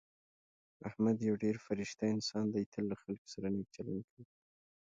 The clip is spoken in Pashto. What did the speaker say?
احمد یو ډېر فرشته انسان دی. تل له خلکو سره نېک چلند کوي.